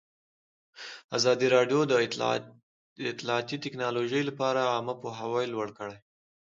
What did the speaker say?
ازادي راډیو د اطلاعاتی تکنالوژي لپاره عامه پوهاوي لوړ کړی.